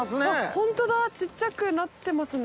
ホントだ小っちゃくなってますね。